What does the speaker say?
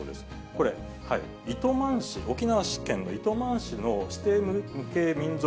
これ、糸満市、沖縄県の糸満市の指定無形民俗